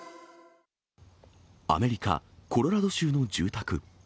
アメリカ・コロラド州の住宅。